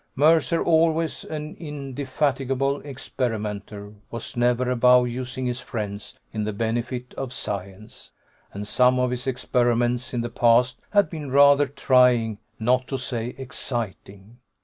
Mercer, always an indefatigable experimenter, was never above using his friends in the benefit of science. And some of his experiments in the past had been rather trying, not to say exciting.